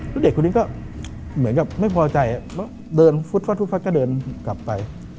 แล้วเด็กคนนี้ก็เหมือนกับไม่พอใจเดินฟุตฟัดก็เดินกลับไป